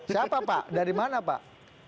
siapa pak dari mana pak